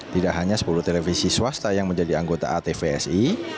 tidak hanya sepuluh televisi swasta yang menjadi anggota atvsi